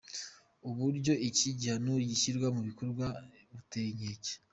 Uburyo iki gihano gishyirwa mu bikorwa buteye inkeke….